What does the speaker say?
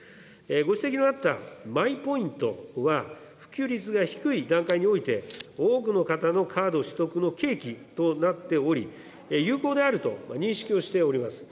ご指摘のあったマイポイントは普及率が低い段階において、多くの方のカード取得の契機となっており、有効であると認識をしております。